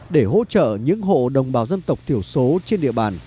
để hỗ trợ những hộ đồng bào dân tộc thiểu số trên địa bàn